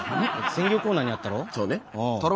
鮮魚コーナーにあったろ。